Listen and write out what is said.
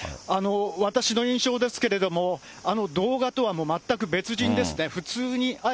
私の印象ですけれども、あの動画とは全く別人ですね。